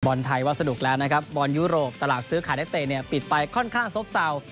บอลไทยว่าสะดวกแล้วนะครับบอลยุโรปตลาดซื้อขายนักเตะปิดไปค่อนข้างซบซาว